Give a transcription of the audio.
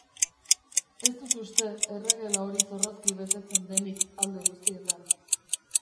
Ez dut uste erregela hori zorrozki betetzen denik alde guztietan.